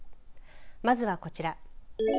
まずはこちら。